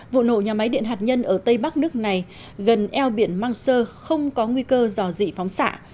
vụ nổ nhà máy điện hạt nhân ở tây bắc nước này gần eo biển mancheser không có nguy cơ dò dị phóng xạ